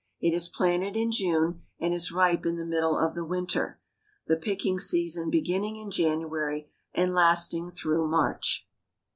It is planted in June and is ripe in the middle of our winter, the pick ing season beginning in January and lasting through March.